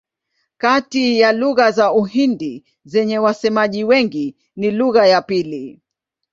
Kati ya lugha za Uhindi zenye wasemaji wengi ni lugha ya pili.